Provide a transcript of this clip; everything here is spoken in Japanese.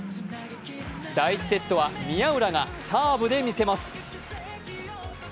第１セットは宮浦がサーブで見せます。